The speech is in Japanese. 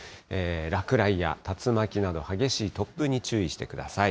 落雷や竜巻など、激しい突風に注意してください。